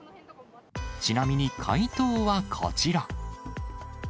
ちなみに解答はこちら。